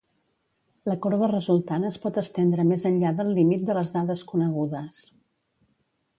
La corba resultant es pot estendre més enllà del límit de les dades conegudes.